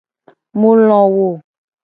Mu lowo.